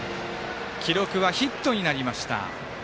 記録はヒットになりました。